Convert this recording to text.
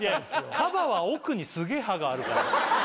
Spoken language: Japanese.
カバは奥にすげえ歯があるからね